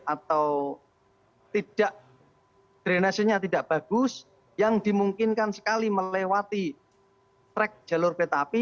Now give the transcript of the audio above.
atau drenasinya tidak bagus yang dimungkinkan sekali melewati trek jalur peta api